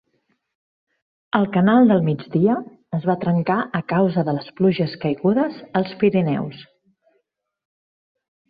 El Canal del Migdia es va trencar a causa de les pluges caigudes als Pirineus.